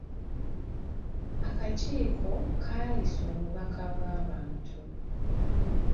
Akakiiko kaayisa obubaka bw'abantu.